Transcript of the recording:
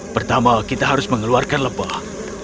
pertama kita harus mengeluarkan lebah